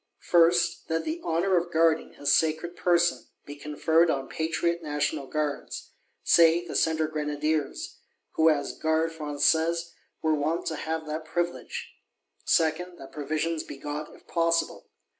First, that the honour of Guarding his sacred person be conferred on patriot National Guards;—say, the Centre Grenadiers, who as Gardes Françaises were wont to have that privilege. Second, that provisions be got, if possible.